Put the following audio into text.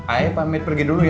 ayo pamit pergi dulu ya